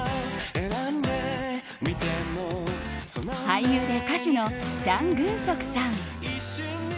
俳優で歌手のチャン・グンソクさん。